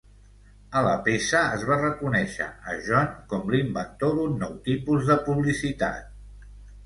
A la peça, es va reconèixer a John com l"inventor d"un nou tipus de publicitat.